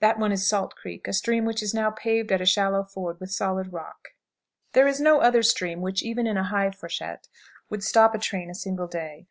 That one is Salt Creek, a stream which is now paved at a shallow ford with solid rock. "There is no other stream which, even in a high freshet, would stop a train a single day.